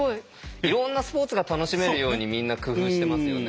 いろんなスポーツが楽しめるようにみんな工夫してますよね。